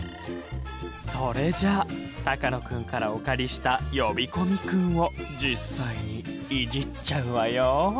それじゃあ高野君からお借りした呼び込み君を実際にいじっちゃうわよ！